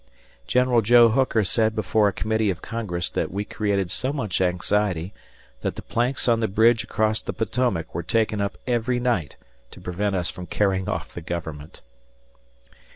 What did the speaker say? General "Joe" Hooker said before a committee of Congress that we created so much anxiety that the planks on the bridge across the Potomac were taken up every night to prevent us from carrying off the Government.